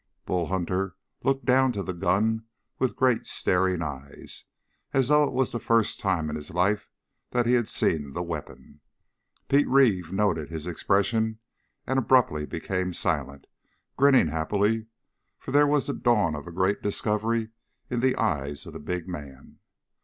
Bull Hunter looked down to the gun with great, staring eyes, as though it was the first time in his life that he had seen the weapon. Pete Reeve noted his expression and abruptly became silent, grinning happily, for there was the dawn of a great discovery in the eyes of the big man.